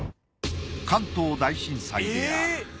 関東大震災である。